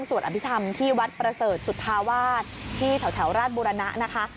อภิษฐรรมที่วัดประเสริฐสุธาวาสที่แถวราชบุรณะนะคะ